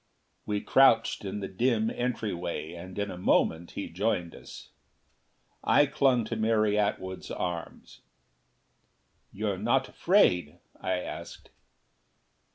We crouched in the dim entryway and in a moment he joined us. I clung to Mary Atwood's arm. "You're not afraid?" I asked.